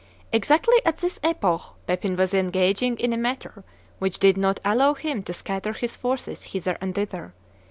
Exactly at this epoch Pepin was engaging in a matter which did not allow him to scatter his forces hither and thither.